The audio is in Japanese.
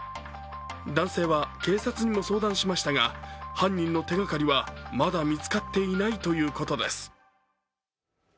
男性は警察にも相談しましたが、犯人の手がかりはまだ見つかっていないということです。